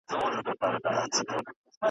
د ځان په ویر یم غلیمانو ته اجل نه یمه ..